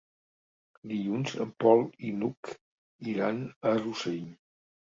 Dilluns en Pol i n'Hug iran a Rossell.